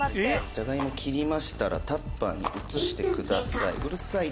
「じゃがいも切りましたらタッパーに移してください」